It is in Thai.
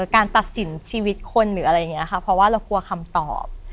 การตัดสินชีวิตคนหรืออะไรอย่างนี้ค่ะเพราะว่าเรากลัวคำตอบ